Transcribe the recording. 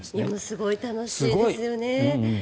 すごい楽しいですよね。